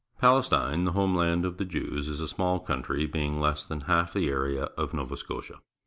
— Palestine, the home land of the Jews, is a small country, being less than half the area of Nova Scotia.